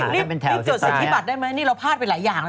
นี่นี่นี่จดสธิบัติได้ไหมนี่เราพลาดไปหลายอย่างแล้ว